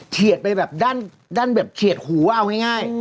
เฉียดไปแบบด้านแบบเฉียดหูเอาง่าย